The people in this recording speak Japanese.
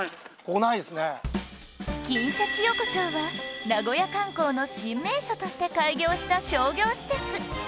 金シャチ横丁は名古屋観光の新名所として開業した商業施設